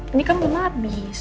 ini kan belum habis